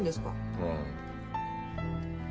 うん。